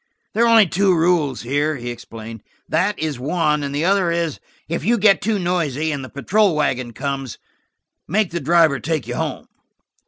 "There are only two rules here," he explained. "That is one, and the other is, 'If you get too noisy, and the patrol wagon comes, make the driver take you home.'"